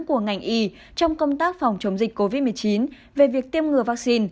của ngành y trong công tác phòng chống dịch covid một mươi chín về việc tiêm ngừa vaccine